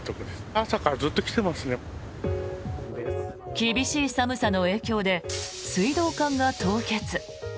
厳しい寒さの影響で水道管が凍結。